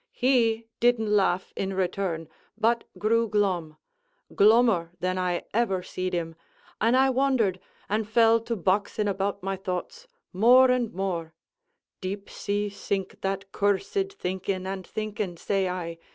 He didn't laugh in return, but grew glum glummer than I ever seed him; and I wondered, and fell to boxing about my thoughts, more and more (deep sea sink that cursed thinking and thinking, say I!